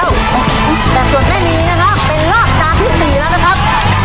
ไปกันแล้วแต่ส่วนให้มีนะครับเป็นร่างการที่สี่แล้วนะครับ